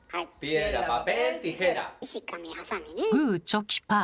グーチョキパー。